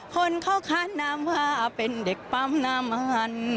คนเขาคาดนามว่าเป็นเด็กปั๊มน้ำมัน